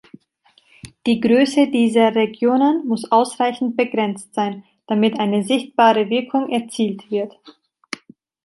Die Größe dieser Regionen muss ausreichend begrenzt sein, damit eine sichtbare Wirkung erzielt wird.